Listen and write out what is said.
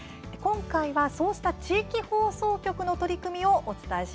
今回は、そうした地域放送局の取り組みをお伝えします。